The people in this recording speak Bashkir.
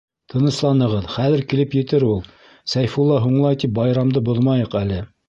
Тынысланығыҙ, хәҙер килеп етер ул. Сәйфулла һуңлай тип байрамды боҙмайыҡ әле.